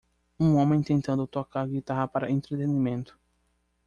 Um homem tentando tocar guitarra para entretenimento.